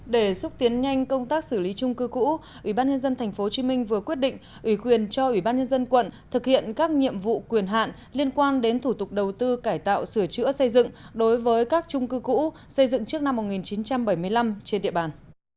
để xúc tiến nhanh công tác xử lý chung cư cũ ubnd tp hcm vừa quyết định ủy quyền cho ubnd quận thực hiện các nhiệm vụ quyền hạn liên quan đến thủ tục đầu tư cải tạo sửa chữa xây dựng đối với các chung cư cũ xây dựng trước năm một nghìn chín trăm bảy mươi năm trên địa bàn